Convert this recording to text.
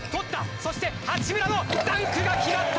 そして八村のダンクが決まった！